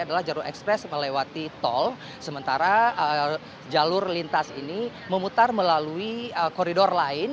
berarti tol sementara jalur lintas ini memutar melalui koridor lain